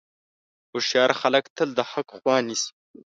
هوښیار خلک تل د حق خوا نیسي.